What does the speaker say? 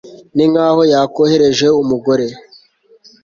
ni nk'aho yakohereje umugore